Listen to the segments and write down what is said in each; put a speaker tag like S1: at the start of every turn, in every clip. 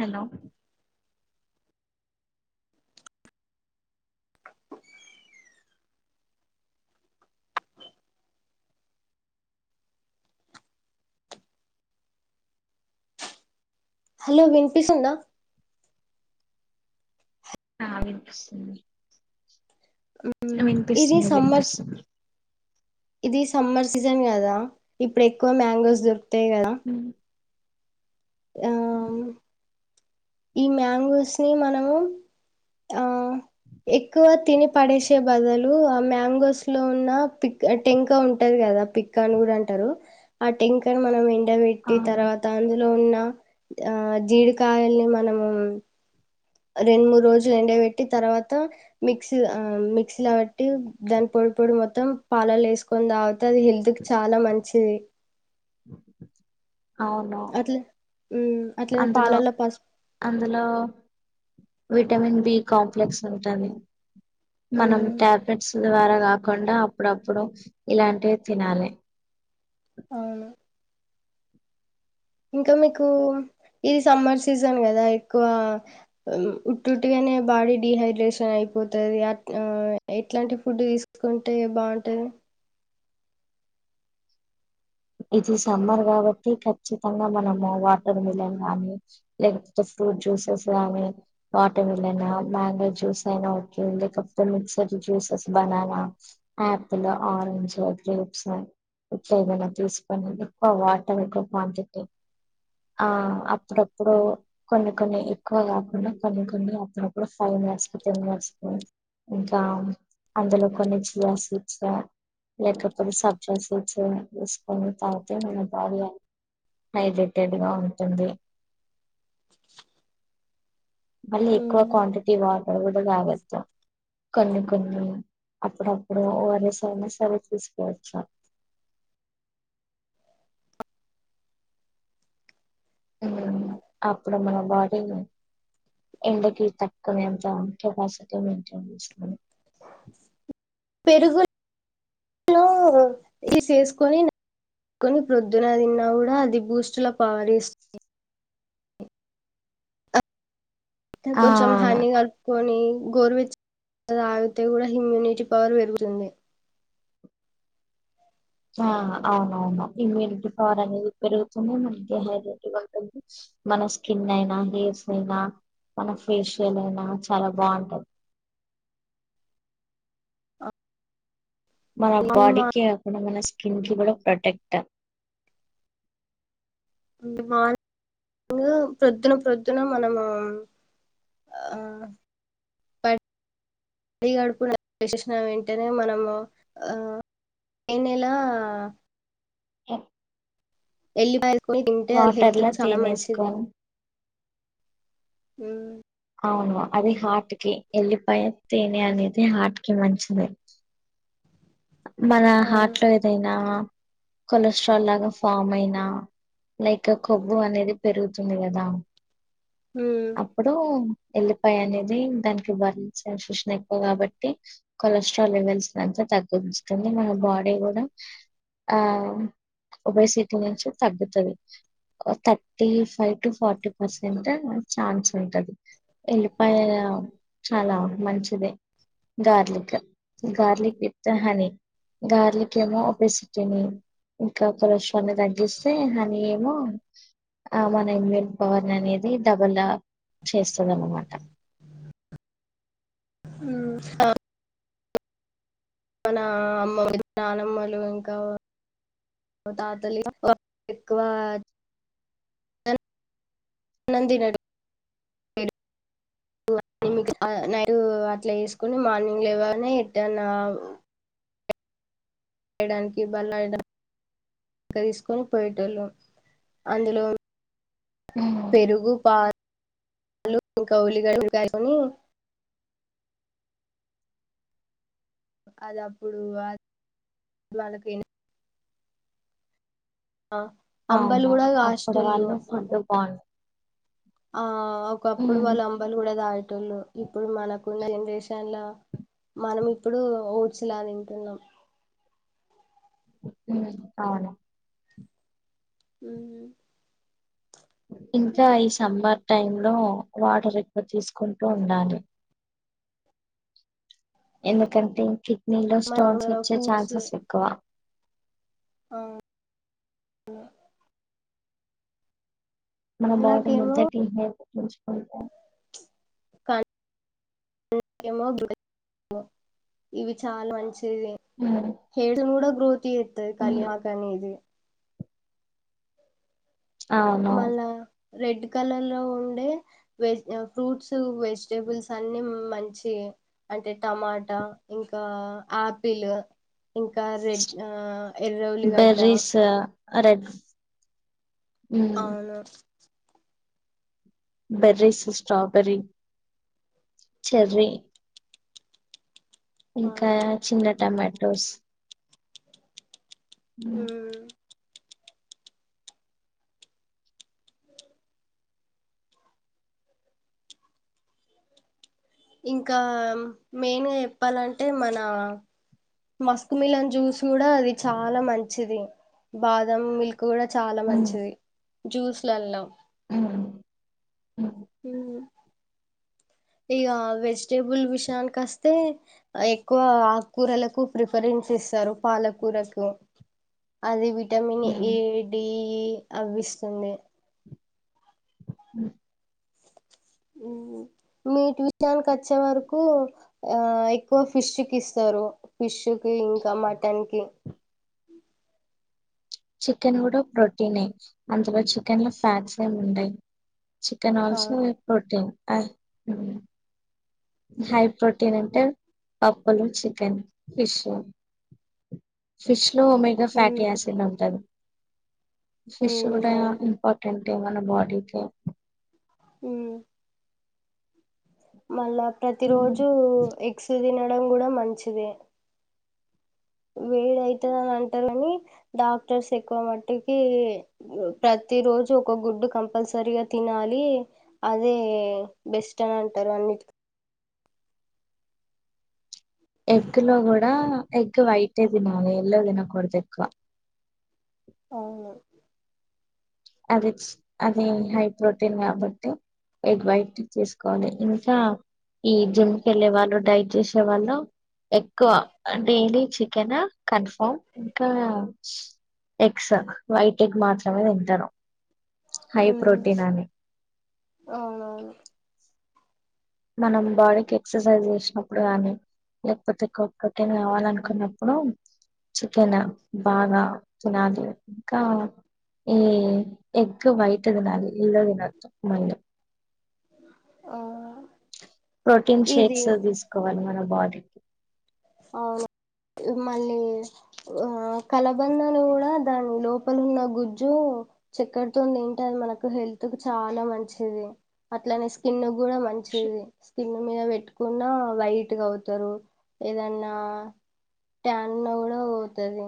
S1: hello
S2: hello విన్పిస్తుందా
S1: ఆ వినిపిస్తుంది
S2: ఇది
S1: వినిపిస్తుంది
S2: సమ్మర్
S1: వినిపిస్తుంది
S2: ఇది సమ్మర్ సీజన్ కదా ఇప్పుడు ఎక్కువ మ్యాంగోస్ దొరూ తే కదా ఆ
S1: హుం
S2: ఈ మ్యాంగోస్ ని మనము ఆ ఎక్కువ తిని పడేసే బదులు ఆ మ్యాంగోస్ లో ఉన్న పిక్ టెంక ఉంటది కదా పిక్క అని కూడా అంటారు ఆ టెంకను మనం ఏ డ పెట్టి
S1: అవును
S2: తర్వాత అందులో ఉన్న ఆ జీడికాయల్ని మనము రెండు మూడు రోజులు ఎండ పెట్టి తర్వాత మిక్సీ ఆ మిక్సీ లా పెట్టి దాని పొడి పొడి మొత్తం పాలాలో వేసుకొని తాగితే అది హెల్త్ కి చాలా మంచిది
S1: ఓ
S2: అట్ల అట్లనే
S1: అందులో
S2: పాలల్లో పసుపు
S1: అందులో విటమిన్ బి కాంప్లెక్స్ ఉంటుంది మనం
S2: హ్మ్
S1: టాబ్లెట్స్ ద్వారా కాకుండా అప్పుడప్పుడు ఇలాంటివి తినాలి
S2: అవును ఇంకా మీకు ఇది సమ్మర్ సీజన్ కదా ఎక్కువ ఉట్టుట్టుగానే బాడీ డిహైడ్రేషన్ అయిపోతుంది అ ఎట్లాంటి ఫుడ్ తీసుకుంటే బాగుంటది
S1: ఇది సమ్మర్ కాబట్టి ఖచ్చితంగా మనము వాటర్ మిలన్ గానీ లేకపోతే ఫ్రూట్ జ్యూసెస్ గానీ వాటర్ మిలన్ మ్యాంగో జ్యూస్ అయినా ఓక లేకపోతే mixer juices banana apple orange grapes ఇట్లా ఏదైనా తీసుకో కు వాటర్ కొట్ ఆ అప్పుడప్పుడు కొన్ని కొన్ని ఎక్కువ కాకుండా కొన్ని కొన్ని అప్పుడప్పుడు ఫైవ్ మినిట్స్ టెన్ మినిట్స్ క ఇంకా అందులో కొన్ని చియా సీడ్స్ వచ్చా లేకపోతే సబ్జాస్ వచ్చా తీసుకొని తవాత మన భార ఎండగా ఉంటుంది మళ్ళీ ఎక్కువ క్వాంటిటీ వా అక్కడ కూడా కావద్దదు కొన్ని కొన్ని అప్పుడప్పుడు ఓ ఆర్ ఎస్ అయినా సరే తీసుకోవచ్చాను అప్పుడు మన బాడీని ఎండకి తట్టుకునే అంత కెపాసిటీ మెయింటైన్ చేస్తుంది
S2: పెరుగు ఈసేసుకొనికని ప్రొద్దున తిన్నా కూడా అది బూస్టుల పవర్స్తుంది ఇ
S1: ఆ
S2: కొంచెం హాని కలుపుకొని గోరువెచ్చ తాగితే కూడా ఇమ్యూనిటీ పవర్ పెరుగుతుంది
S1: ఆ అవునవునా ఇమ్యూనిటీ పవర్ అనేది పెరుగుతూనే మనకి హైడ్రేటివ్ ఉంటుంది మన స్కిన్ అయినా హెయిర్స్ అయినా మన ఫేషియల్ అయినా చాలా బాగుంటది మన
S2: మార్నింగ్
S1: బాడీకి మన స్కిన్కి కూడా ప్రటెక్ట్
S2: మా ప్రొద్దున ప్రొద్దున మనము ఆడి పడి గడుపున చేసిన ఏంటనే మనము ఆ పైనలా ఎ మ తింటే అది హెల్త్
S1: వాటర్లా
S2: చాలా
S1: తేనె
S2: మంచిది
S1: వేసుకొని
S2: హ
S1: అవును అది హార్ట్కి ఎల్లిపాయ తేనె అనేది హార్ట్ కి మంచిది మన హార్ట్ లో ఏదైనా కొలెస్ట్రాల్ లాగా ఫామ్ అయినా లైక్ కొవ్వు అనేది పెరుగుతుంది కదా అప్పుడు ఎల్లిపాయ అనేది దానికి బర్న్ ససషన్ ఎక్కువ కాబట్టి కొలెస్ట్రాల్ లెవెల్స్ అంతా తగ్గస్తుంది మన బాడీ కూడా ఆ ఒబేసిటీ నుంచి తగ్గుతుంది thirty five to forty percent chance ఉంటది ఉల్లిపాయ చాలా మంచిదే garlic garlic with honey garlic ఏమో ఒపెసిటీని ఇంకా పషవాన్ని తగ్గిస్తే హనీ ఏమో ఆ మన ఇమ్యూన్ పవర్ ని అనేది డబ్బలా చేస్తున్నాం అనమాట
S2: హ్మ్ మన అమ్మ మీద నానమ్మలు ఇంకా తాతలు ఎక్కువ ఆన్నం తినడుకు నైట్ అట్లా వేసుకుని మార్నింగ్లువనే ఎట్టన్ యడానికి బలాయ తీసుకొని పోయేటళ్ళు అందులో
S1: ఉమ్,
S2: పెరుగు పా ఇంకౌలిని అది అప్పుడు వాళ్ళకే ఆ అంబలు
S1: అవును
S2: కూడా
S1: అప్పుడు
S2: దసేటళ్ళు
S1: వాళ్ళు ఫుడ్
S2: ఆ ఒకప్పుడు
S1: బాగుంటుంది
S2: వాళ్ళు అంబలు కూడా దాయేటళ్ళు ఇప్పుడు మనకున్న జనరేషన్ లో మనం ఇప్పుడు ఊచలా తింటున్నాం
S1: అవును
S2: అ
S1: ఇంకా ఈ సంమ్మార్ టైం లో వాటర్ ఎక్కువ తీసుకుంటూ ఉండాలి ఎందుకంటే నీళ్లో స్టోన్స్ వచ్చే ఛాన్సెస్ ఎక్కువ
S2: ఆ
S1: మన బాడీ మధ
S2: ఏమో
S1: టీ గుజపో
S2: మ ఇవి చాలా మంచి
S1: ఉమ్,
S2: హ గ్రోత్ టి ఎతు
S1: ఉమ్,
S2: కళ్యాణ కణ ఇది
S1: అవును
S2: మళ్ళా రెడ్ కలర్ లో ఉండే వెజ ఫ్రూట్స్ వెజిటబుల్స్ అన్ని మంచి అంటే టమాటా ఇంకా ఆపిల్ ఇంకా రెడ్ ఎర్రౌలిగడ్డ
S1: అరే
S2: అవును
S1: బర్రీస్ స్ట్రాబెరిీ చెర్రీ ఇంకా
S2: అవును
S1: చిన్న టమాట స్
S2: హ ఇంకా మెయిన్గా చెప్పాలంటే మన మస్క్ మలన్ జ్యూస్ కూడా అది చాలా మంచిది బాదం మిల్క్ కూడా చాలా మంచిది జ్యూస్లులం హ ఇక వెజిటేబుల్ విషయానికి వస్తే ఎక్కువ ఆకుకూరలకు ప్రిఫరెన్స్ ఇస్తారు పాలకూరకు అది విటమిన్ ఏ డి అవవిష్టంది
S1: అ
S2: మీటి విషయానికినికి వచ్చే వరకు ఆ ఎక్కువ ఫిష్ కి ఇస్తారు ఫిష్ కి ఇంకా మటన్ కి
S1: చికెన్ కూడా ప్రోటీనే అంతలో చికెన్ లో ఫ్యాట్స్ ఏమి ఉండయి చికెన్
S2: ఆ
S1: ఆల్సో ప్రోటీన్ అ హై ప్రోటీన్ అంటే పప్పులు చికెన్ ఫిష్ ఫిష్ లో ఒమేగా
S2: ఉమ్
S1: ఫ్యాటీ యాసిడ్ ఉంటంది ఫిష్
S2: ఉమ్
S1: కూడా
S2: అవును
S1: ఇంపార్టెంట్ మన బాడీకి
S2: ఊ మళ్ల ప్రతి రోజు ఎగ్స్ తిన వండడం కూడా మంచిదే వేడి అయితదని అంటరు కని డాక్టర్స్ ఎక్కువ మటుకి ప్రతిరోోజు ఒక గుడ్డు కంపల్సరీగా తినాలి అదే బెస్ట్ అని అంటారు అన్నిటిక
S1: ఎగ్ లో కూడా ఎగ్ వైటే తినాలి ఎల్లో తినకూడదు ఎక్కువ
S2: అవును
S1: అది అది హై ప్రోటీన్ కాబట్టి ఎగ్ వైట్ తీసుకోవాలి ఇంకా ఈ జిమ్ కి వెళ్ళే వాళ్ళు డైట్ చేసే వాళ్ళు ఎక్కువ చికెన్ కన్ఫామ్ ఇంకా ఎగ్స్ వైట్ ఎగ్ మాత్రమే తింటారు హై
S2: ఉమ్
S1: ప్రోటీన్ అని
S2: అవునవును
S1: మనం బాడీకి ఎక్సర్సైజ్ చేసినప్పుడు కానీ లేకపోతే కొక్కటిన్ కావాలనుకున్నప్పుడు చికెన్ బాగా తినాలి ఇంకా ఈ ఎగ్ వైట్ తినాలి ఎల్లో తినొద్దు మళ్ళీ
S2: ఆ
S1: ప్రోటీన్
S2: ఇది
S1: షేక్స్ తీసుకోవాలి మన బాడీకి కె
S2: అవును మళ్ళీ ఆ కలబందను కూడా దాని లోపల ఉన్న గుజ్జు చెక్కరతోని తింటే అది మనకు హెల్త్ కు చాలా మంచిది అట్లానే స్కిన్ కూడా మంచిది స్కిన్ మీద పెట్టుకున్న వైట్గా అవుతారు ఏదన్నా ట్యాన్ ఉన్న కూడా పోతడి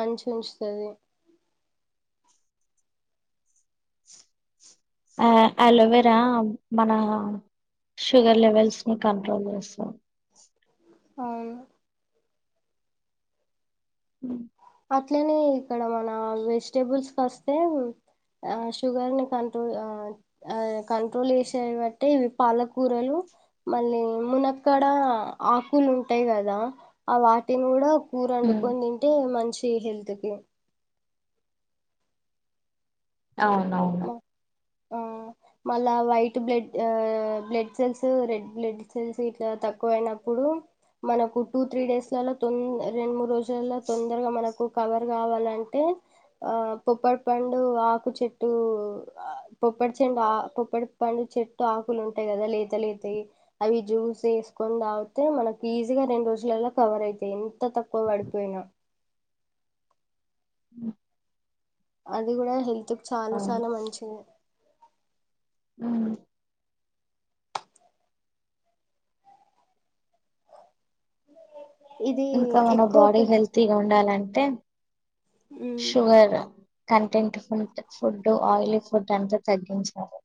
S2: మంచి ఉంచుతది
S1: అలోవెరా మన షుగర్ లెవెల్స్ ని కంట్రోల్ చేస్తాం
S2: అవును
S1: హ
S2: అట్లనే ఇక్కడ మన వెజిటబుల్స్ కి వస్తే షుగర్ ని కంట్రోల్ కంట్రోల్ చేసే బట్టి ఇవి పాలకూరలు మళ్ళీ మునక్కడ ఆకులు ఉంటాయి కదా ఆ వాటిని కూడా కూర
S1: ఉమ్
S2: వండుకోని తింటే మంచి హెల్త్ కి
S1: అవునవును
S2: మా ఆ మళ్ళ white blood blood cells red blood cells ఇట్లా తక్కువయినప్పుడు మనకు టూ త్రీ డేస్ లలో తొ రెండు మూడు రోజులు తొందరగా మనకు కవర్ కావాలంటే ఆ పొప్పడి పండు ఆకు చెట్ చెటు పొప్పడి చెట్టు ఆ పొప్పడి పండు చెట్టు ఆకులు ఉంటాయి కదా లేత లేతయి అవి జ్యూస్ చేసుకొని తాగితే మనకి ఈజీగా రెండు రోజులలో కవర్ అయితాయి ఎంత తక్కువ పడిపోయినా
S1: ఉ
S2: అది కూడా హెల్త్ చాలా చాలా మంచిగ
S1: ఉమ్
S2: ఇది
S1: ఇంకా మన
S2: ఎక్కువ
S1: బాడి
S2: పె
S1: హెల్తీగా ఉండాలండి టెన్
S2: మ్మ్
S1: షుగరా కంటెంట్ ఫుడ్ ఆయిలీ ఫుడ్ అంతా తగ్గించాలి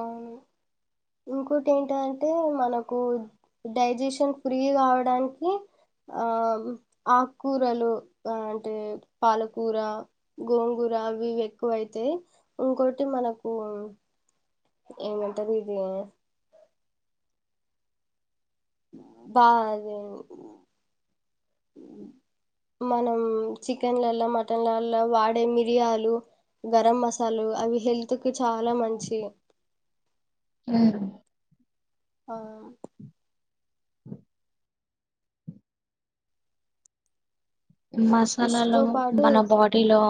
S2: అవును ఇంకోటి ఏంటంటే మనకు డైజెషన్ ఫ్రీ కావడానికి ఆ ఆకుకూరలు అంటే పాలకూర గోంగూర అవి ఇవి ఎక్కువైతాయి ఇంకోటి మనకు ఏమంటారు ఇది బాదే మనం చికెన్లలా మటన్లలో వాడే మిరియాలు గరం మసాలాలు అవి హెల్త్ కి చాలా మంచి
S1: అ
S2: ఆ
S1: మసాలాలు
S2: ఫిష్తో పాటు
S1: మన బాడీ లో